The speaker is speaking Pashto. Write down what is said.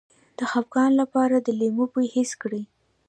د خپګان لپاره د لیمو بوی حس کړئ